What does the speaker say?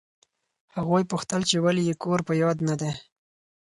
هغوی پوښتل چې ولې یې کور په یاد نه دی.